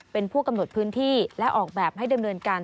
เป็นผู้กำหนดพื้นที่และออกแบบให้ดำเนินการ